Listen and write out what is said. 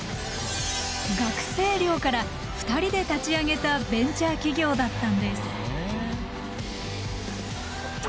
学生寮から２人で立ち上げたベンチャー企業だったんです。